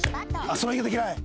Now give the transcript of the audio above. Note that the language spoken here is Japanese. その言い方嫌い？